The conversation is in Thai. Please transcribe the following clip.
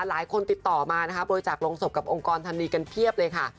บางคนติดต่อมาโดยจากลงศพกับองค์กรทำดีกันเพียบเลยค่ะ